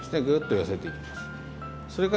ぐっと寄せていきます。